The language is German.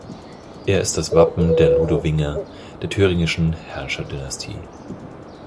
Er ist das Wappen der Ludowinger, der thüringischen Herrscher-Dynastie.